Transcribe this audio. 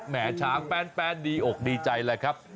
แห่ช้างแฟนดีอกดีใจแหละครับ